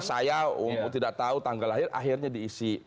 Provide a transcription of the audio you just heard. saya tidak tahu tanggal lahir akhirnya diisi